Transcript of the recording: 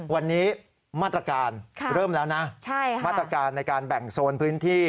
วันนี้มาตรการเริ่มแล้วนะมาตรการในการแบ่งโซนพื้นที่